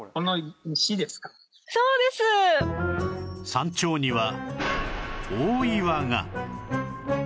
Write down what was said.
山頂には大岩が